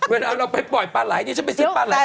เวลาเราไปปล่อยปลาไหลดิฉันไปซื้อปลาไหล